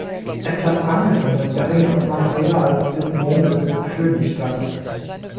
Es wird angenommen, dass der Ring aus Material des Mondes Phoebe stammt.